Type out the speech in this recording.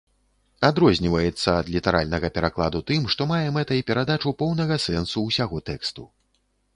Адрозніваецца ад літаральнага перакладу тым, што мае мэтай перадачу поўнага сэнсу ўсяго тэксту.